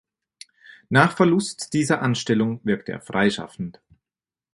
Nach Verlust dieser Anstellung wirkte er freischaffend.